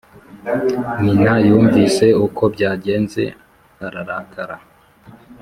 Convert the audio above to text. nyina yumvise uko byagenze, ararakara